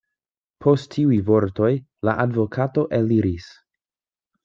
Post tiuj vortoj la advokato eliris.